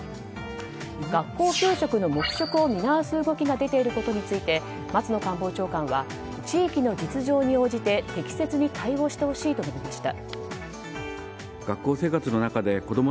学校給食の黙食を見直す動きが出ていることについて松野官房長官は地域の実情に応じて適切に対応してほしいと述べました。